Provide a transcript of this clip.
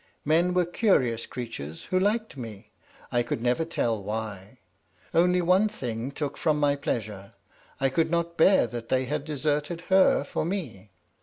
Men were curious creatures, who liked me, I could never tell why. Only one thing took from my pleasure; I could not bear that they had deserted her for me.